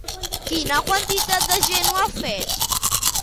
Quina quantitat de gent ho ha fet?